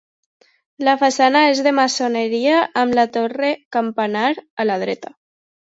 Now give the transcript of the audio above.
La façana és de maçoneria, amb la torre-campanar a la dreta.